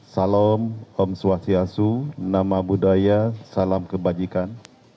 salam om swastiassu nama budaya salam kebajikan